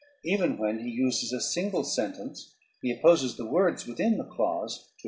Even when he uses a single sentence he opposes the words within the clause to each other."